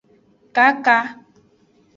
Kaka.